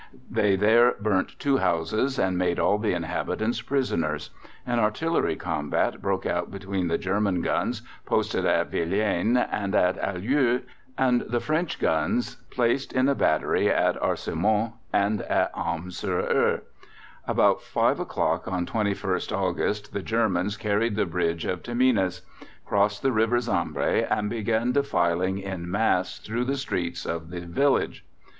They there burnt two houses and made all the inhabitants prisoners. An artillery combat broke out between the German guns posted at Vilaines and at Alloux and the French guns placed in a battery at Arsimont and at Hame sur Heure. About 5 o'clock on 21st August, the Germans carried the bridge of Tamines, crossed the River Sambre, and began defiling in mass through the streets of the village.